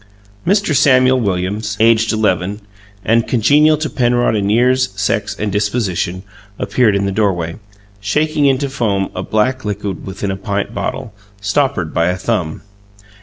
Mr. Samuel Williams, aged eleven, and congenial to Penrod in years, sex, and disposition, appeared in the doorway, shaking into foam a black liquid within a pint bottle, stoppered by a thumb.